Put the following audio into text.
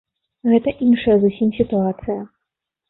Гэта іншая зусім сітуацыя.